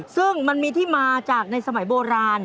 ซึ่งมันมีที่มาจากในสมัยโบราณ